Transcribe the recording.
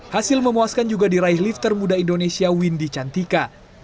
hasil memuaskan juga diraih lifter muda indonesia windy cantika